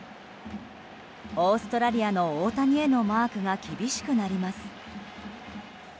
オーストラリアの大谷へのマークが厳しくなります。